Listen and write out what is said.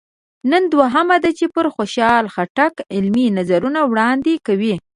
نن دوهمه ده چې پر خوشحال خټک علمي نظرونه وړاندې کوي.